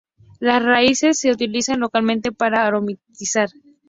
Las raíces se utilizan localmente para aromatizar.